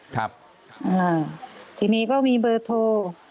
ทีนี้ก็มีเบอร์โทร